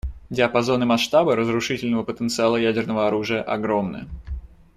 Диапазон и масштабы разрушительного потенциала ядерного оружия огромны.